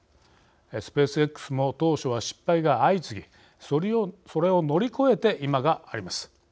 スペースＸも当初は失敗が相次ぎそれを乗り越えて今があります。